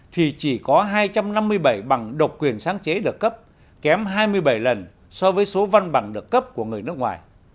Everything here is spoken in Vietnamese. thì chỉ có hai trăm năm mươi bảy bằng độc quyền sáng chế được cấp kém hai mươi bảy lần so với số văn bằng được cấp của người nước ngoài